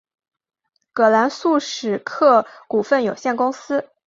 葛兰素史克股份有限公司。